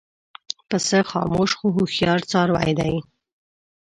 پسه خاموش خو هوښیار څاروی دی.